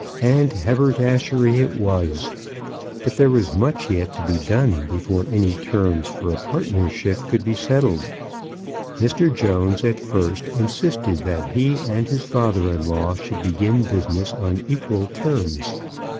And haberdashery it was. But there was much yet to be done before any terms for a partnership could be settled. Mr. Jones at first insisted that he and his father in law should begin business on equal terms.